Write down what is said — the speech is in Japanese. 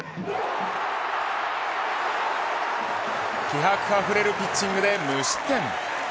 気迫あふれるピッチングで無失点。